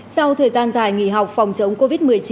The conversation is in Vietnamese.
sau thời gian dài nghỉ học phòng chống covid một mươi chín